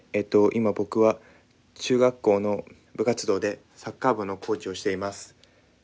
今僕は中学校の部活動でサッカー部のコーチをしています。